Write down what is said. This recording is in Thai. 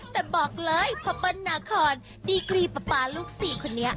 แต่บอกเลยพระปันดาคอนดีกรีปปาลูกสี่คนนี้